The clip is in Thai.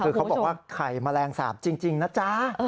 คือเขาบอกว่าไข่แมลงสาปจริงนะจ๊ะ